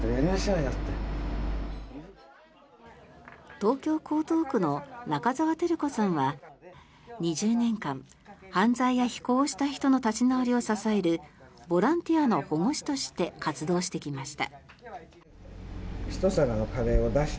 東京・江東区の中澤照子さんは２０年間犯罪や非行をした人の立ち直りを支えるボランティアの保護司として活動してきました。